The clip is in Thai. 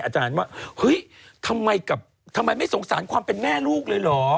อาจารย์ว่าเฮ้ยทำไมไม่สงสารความเป็นแม่ลูกเลยเหรอ